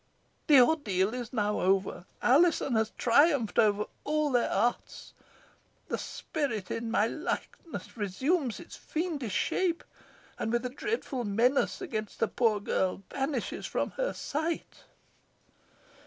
The ordeal is now over. Alizon has triumphed over all their arts. The spirit in my likeness resumes its fiendish shape, and, with a dreadful menace against the poor girl, vanishes from her sight."